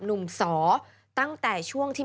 หนุ่มสอตั้งแต่ช่วงที่